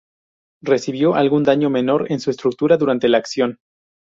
Recibió algún daño menor en su estructura durante la acción.